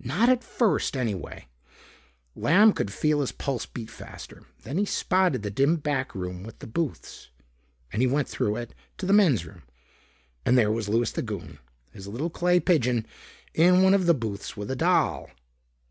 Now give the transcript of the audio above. Not at first, anyway. Lamb could feel his pulse beat faster. Then he spotted the dim backroom with the booths. And he went through it to the Men's Room. And there was Louis the Goon his little clay pigeon in one of the booths with a doll.